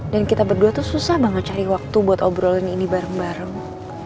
dan kita berdua tuh susah banget cari waktu buat obrolin ini bareng bareng